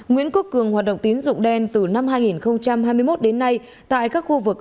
nguyễn quốc cường hoạt động tín dụng đen từ năm hai nghìn hai mươi một đến nay tại các khu vực